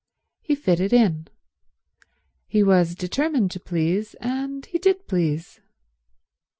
He fitted in. He was determined to please, and he did please.